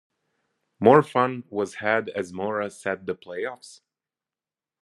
More fun was had as Mora said the Playoffs?